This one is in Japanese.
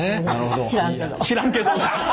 知らんけど。